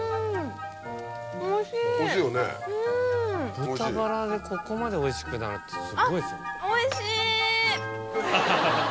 豚バラでここまでおいしくなるってすごいですよ。